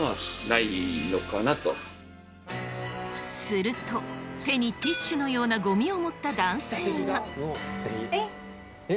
すると手にティッシュのようなゴミを持った男性が。